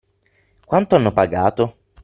Quanto hanno pagato?